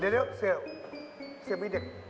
เดี๋ยวเศรษฐ์มีเด็ก